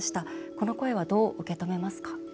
この声はどう受け止めますか？